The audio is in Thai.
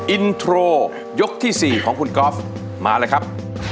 อินโทรยกที่๔ของคุณก๊อฟมาเลยครับ